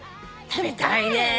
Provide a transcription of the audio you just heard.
食べたいね。